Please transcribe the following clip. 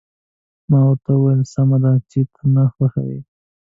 ما ورته وویل: سمه ده، چې ته نه خوښوې.